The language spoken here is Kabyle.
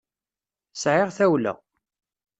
Sɛiɣ tawla.